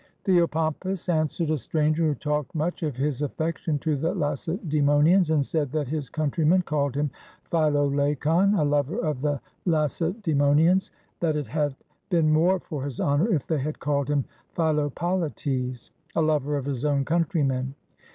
Theopompus answered a stranger who talked much of his affection to the Lacedaemonians, and said that his countrymen called him Philolacon (a lover of the Lace daemonians), that it had been more for his honor if they had called him Philopolites (a lover of his own country men).